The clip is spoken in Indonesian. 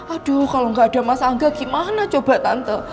aduh kalau nggak ada mas angga gimana coba tante